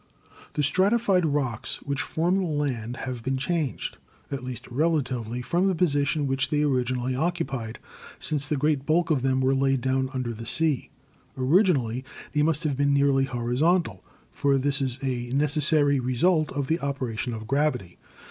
The stratified rocks which form the land have been changed, at least relatively, from the position which they i66 GEOLOGY originally occupied, since the great bulk of them were laid down under the sea. Originally they must have been nearly horizontal, for this is a necessary result of the operation of gravity.